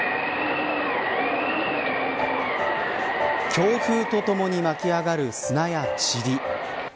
強風とともに巻き上がる砂や、ちり。